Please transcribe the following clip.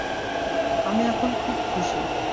আমি এখন খুব খুশি।